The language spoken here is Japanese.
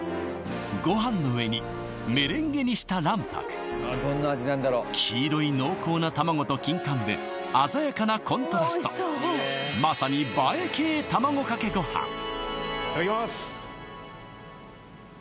ごはんの上にメレンゲにした卵白黄色い濃厚な卵とキンカンで鮮やかなコントラストまさに・いただきます